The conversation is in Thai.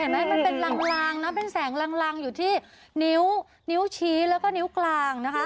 มันเป็นลางนะเป็นแสงลังอยู่ที่นิ้วนิ้วชี้แล้วก็นิ้วกลางนะคะ